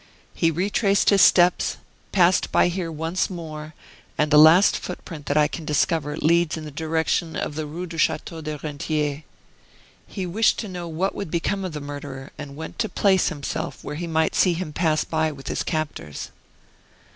He retraced his steps, passed by here once more, and the last footprint that I can discover leads in the direction of the Rue du Chateau des Rentiers. He wished to know what would become of the murderer, and went to place himself where he might see him pass by with his captors."